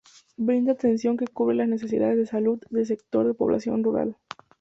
Brinda atención que cubre las necesidades de salud de sectores de población rural.